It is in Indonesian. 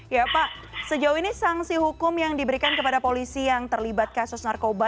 ya pak sejauh ini sanksi hukum yang diberikan kepada polisi yang terlibat kasus narkoba